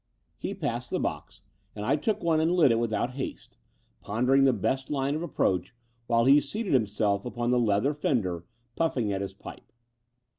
He passed the box; and I took one and lit it without haste, pondering the best line of approach, while he seated himself upon the leather fender, pufiSng at his pipe.